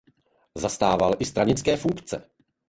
Zastával i stranické funkce.